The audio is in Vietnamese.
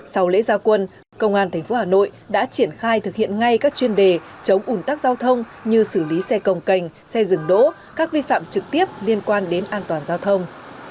sau lễ gia quân công an tp hà nội đã triển khai thực hiện ngay các chuyên đề chống ủn tắc giao thông như xử lý xe công cành xe dừng đỗ các vi phạm trực tiếp liên quan đến an toàn giao thông